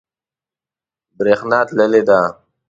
بریښنا تللی ده